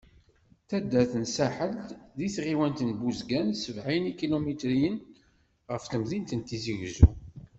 D taddart n Saḥel, di tɣiwant n Buzgan sebεin n yikilumitren ɣef temdint n Tizi Uzzu.